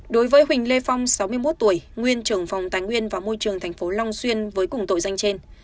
đối với huỳnh lê phong sáu mươi một tuổi nguyên trưởng phòng tài nguyên và môi trường tp long xuyên với cùng tội danh trên